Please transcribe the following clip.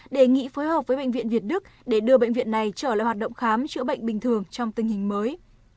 đề nghị phối hợp với bệnh viện việt đức để đưa bệnh viện này trở lại hoạt động khám chữa bệnh bình thường trong tình hình mới